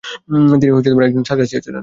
তিনি একজন সার্কাসীয় ছিলেন।